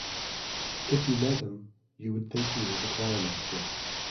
If you met him, you would think he was a choirmaster.